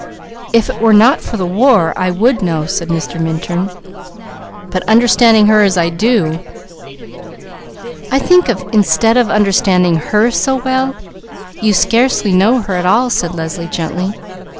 "If it were not for the war, I would know," said Mr. Minturn. "But understanding her as I do " "I think instead of understanding her so well, you scarcely know her at all," said Leslie gently.